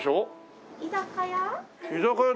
居酒屋？